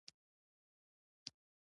ګلداد ورته وویل: پاچا صاحب ډېر طالع من یې.